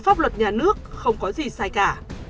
pháp luật nhà nước không có gì sai cả